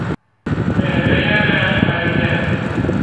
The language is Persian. چهرهی رنگ پریده